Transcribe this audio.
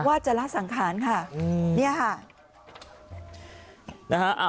ว่าจะล่าสังขารค่ะอืมเนี่ยค่ะนะฮะอ่า